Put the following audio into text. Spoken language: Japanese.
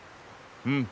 うん。